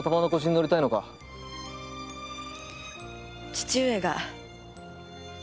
父上が。